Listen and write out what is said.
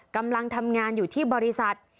กำลังทำงานอยู่ที่บริษัท